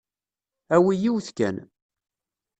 Awi yiwet kan.